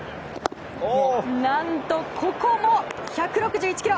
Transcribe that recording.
何と、ここも１６１キロ！